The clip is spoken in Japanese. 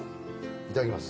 いただきます。